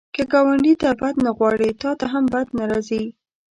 که ګاونډي ته بد نه غواړې، تا ته هم بد نه راځي